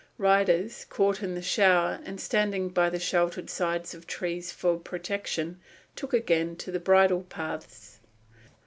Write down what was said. Riders, caught in the shower and standing by the sheltered sides of trees for protection, took again to the bridle paths.